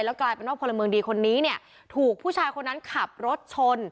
กลายเป็นว่าพลเมืองดีคนนี้เนี่ยถูกผู้ชายคนนั้นขับรถชน